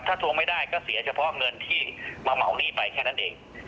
ถ้าทวงไม่ได้ก็เสียเฉพาะเงินที่มาเหมาหนี้ไปแค่นั้นเอง